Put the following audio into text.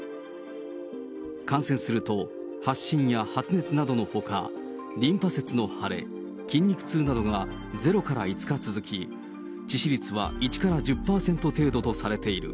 感染すると発疹や発熱などのほか、リンパ節の腫れ、筋肉痛などが０から５日続き、致死率は１から１０％程度とされている。